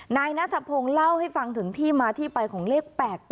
นายนัทพงศ์เล่าให้ฟังถึงที่มาที่ไปของเลข๘๘